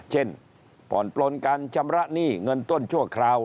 เช่นผ่อนปลนการชำระหนี้เงินต้นชั่วคราว